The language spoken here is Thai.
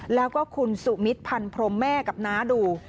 แล้วก็คุณสุมิตรพันพรมแม่กับน้าดู